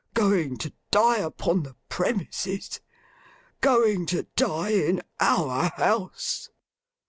Going to die upon the premises. Going to die in our house!